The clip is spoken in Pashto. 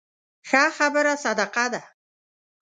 ښه خبره صدقه ده